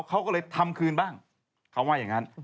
เขาก็เลยทำคืนบ้าง